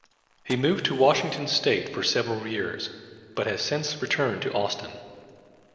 He moved to Washington state for several years, but has since returned to Austin.